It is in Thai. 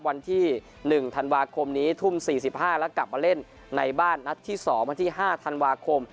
วันที่๑ธันวาคมนี้ทุ่ม๔๕แล้วกลับมาเล่นในบ้านนัดที่๒วันที่๕ธันวาคม